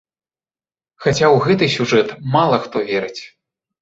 Хаця ў гэты сюжэт мала хто верыць.